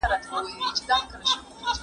قاضي د دوی تر منځ د تفريق حکم کوي.